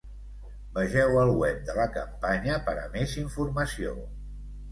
Vegeu el web de la campanya per a més informació.